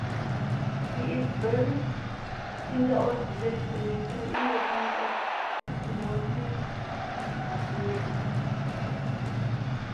He is buried in the Old Village Cemetery in the tomb of Timothy Dwight.